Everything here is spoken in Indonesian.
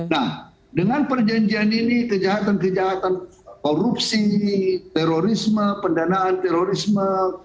nah dengan perjanjian ini kejahatan kejahatan korupsi terorisme pendanaan terorisme